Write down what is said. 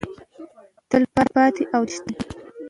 تلپاتې او تلشنه وي.